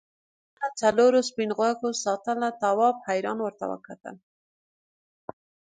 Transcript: ونه څلورو سپین غوږو ساتله تواب حیران ورته وکتل.